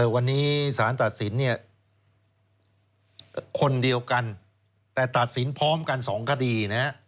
วันนี้สารตัดสินเนี่ยคนเดียวกันแต่ตัดสินพร้อมกัน๒คดีนะฮะ